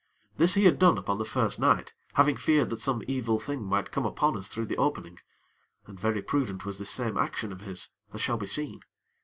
This he had done upon the first night, having fear that some evil thing might come upon us through the opening, and very prudent was this same action of his, as shall be seen.